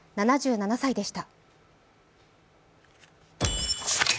７７歳でした。